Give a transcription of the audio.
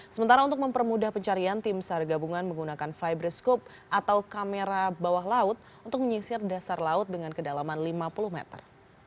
sementara untuk mempermudah pencarian tim sar gabungan menggunakan fibroskop atau kamera bawah laut untuk menyisir dasar laut dengan kedalaman lima puluh meter